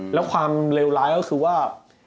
แล้วความเลวร้ายก็คือว่า